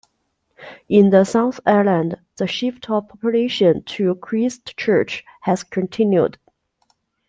In the South Island, the shift of population to Christchurch had continued.